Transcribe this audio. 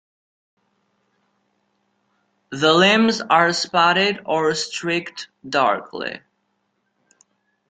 The limbs are spotted or streaked darkly.